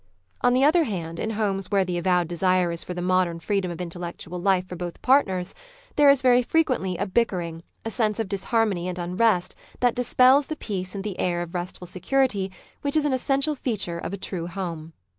On the other hand, in homes where the avowed desire is for the modern freedom of intellectual life for both partners, there is very frequently a bickering, a sense of disharmony and unrest that dispels the peace and the air of restful security which is an essential feature of a true home.